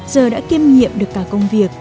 giờ đã kiêm nghiệm được cả công việc